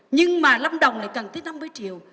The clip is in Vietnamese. nhưng mà lâm đồng lại cần tới năm mươi triệu